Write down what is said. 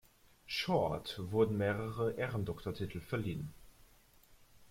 Short wurden mehrere Ehrendoktortitel verliehen.